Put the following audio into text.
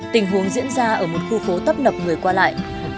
tình huống diễn ra ở một khu phố tấp nập người qua lại